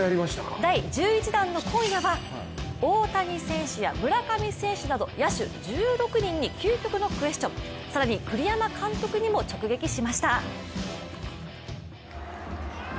第１１弾の今夜は、大谷選手や村上選手など野手１６人に究極のＱｕｅｓｔｉｏｎ、更に栗山監督にも直撃しました。